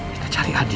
kita cari adi